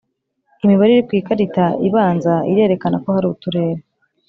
Imibare iri ku ikarita ibanza irerekana ko hari uturere